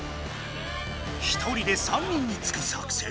１人で３人につく作戦？